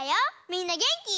みんなげんき？